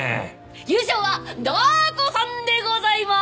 優勝はダー子さんでございます！